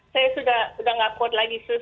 saya sudah tidak kuat lagi